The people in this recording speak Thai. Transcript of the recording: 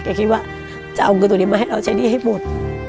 ก็คิดว่าจะเอาเงินตรงนี้มาให้เราใช้หนี้ให้หมด